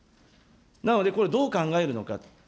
なので、これどう考えるのか。